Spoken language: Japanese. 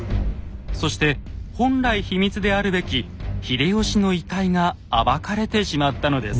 そして本来秘密であるべき秀吉の遺体が暴かれてしまったのです。